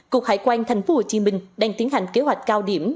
cục hải quan tp hcm đang tiến hành kế hoạch cao điểm